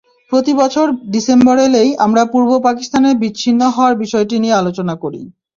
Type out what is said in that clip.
প্রতিবছর ডিসেম্বর এলেই আমরা পূর্ব পাকিস্তানের বিচ্ছিন্ন হওয়ার বিষয়টি নিয়ে আলোচনা করি।